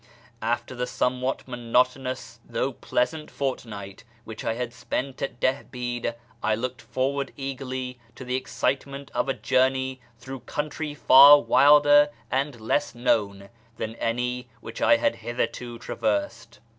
After the somewhat monotonous thou<j]i pleasant fortnight which I had spent at Dihbi'd, I looked forward eagerly to the excitement of a journey through country far wilder and less known than any which I liad hitherto traversed.